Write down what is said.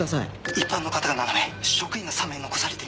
一般の方が７名職員が３名残されています。